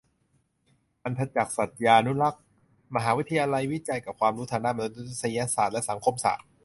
อรรถจักร์ สัตยานุรักษ์ : มหาวิทยาลัยวิจัยกับความรู้ทางด้านมนุษยศาสตร์และสังคมศาสตร์